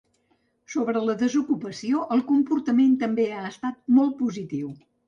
Sobre la desocupació, el comportament també ha estat molt positiu.